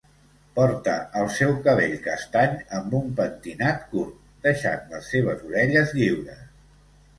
Porta el seu cabell castany amb un pentinat curt, deixant les seves orelles lliures.